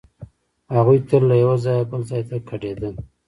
هغوی تل له یوه ځایه بل ځای ته کډېدل.